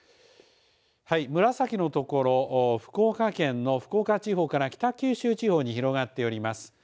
紫の所福岡県の福岡地方から北九州地方に広がっております。